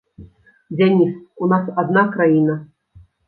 Дзяніс, у нас адна краіна.